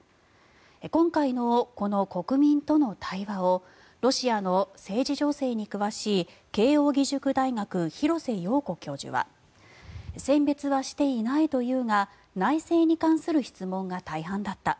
今回のこの国民との対話をロシアの政治情勢に詳しい慶応義塾大学、廣瀬陽子教授は選別はしていないというが内政に関する質問が大半だった。